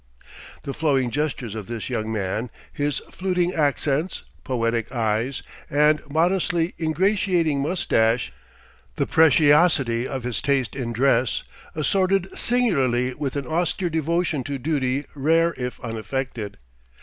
The flowing gestures of this young man, his fluting accents, poetic eyes, and modestly ingratiating moustache, the preciosity of his taste in dress, assorted singularly with an austere devotion to duty rare if unaffected.